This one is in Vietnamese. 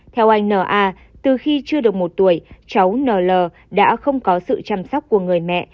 theo anh n a từ khi chưa được một tuổi cháu n l đã không có sự chăm sóc của người mẹ